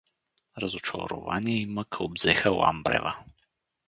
Разочарование и мъка обзеха Ламбрева.